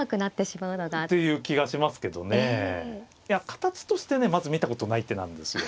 形としてねまず見たことない手なんですよ。